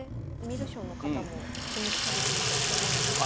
観る将の方も注目されてると思います。